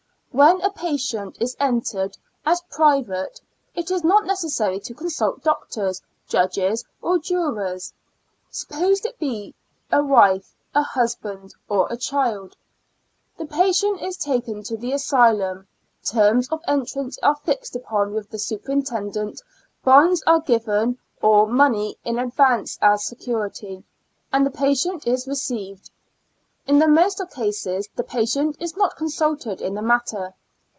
When a patient is entered as ^private, it is not necessary to consult doctors, judges or jurors. Suppose it to be a wife, a husband, or a child. The patient is taken to the asylum, terms of entrance are fixed upon with the superintendent, bonds are JiV A L UNATIC ASTL TIM. 27 given or money in advance as security, and the patient is received. In the most of cases the patient is not consulted in the matter.